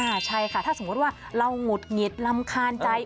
ใช่ค่ะถ้าสมมุติว่าเราหงุดหงิดรำคาญใจ